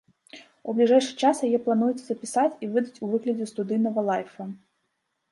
У бліжэйшы час яе плануецца запісаць і выдаць у выглядзе студыйнага лайфа.